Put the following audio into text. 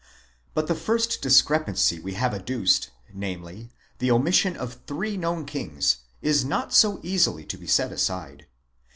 But the first discrepancy we have adduced, namely, the omission of three known kings, is not so easily to be set aside.